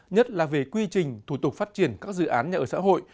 nhất là về quy trình thủ tục phát triển các dự án nhà ở xã hội